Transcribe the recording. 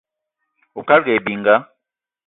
Oukalga aye bininga